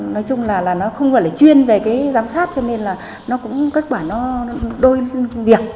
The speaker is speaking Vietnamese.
nói chung là nó không phải là chuyên về cái giám sát cho nên là nó cũng kết quả nó đôi việc